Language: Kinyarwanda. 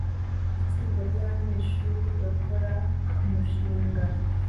Itsinda ryabanyeshuri bakora kumushinga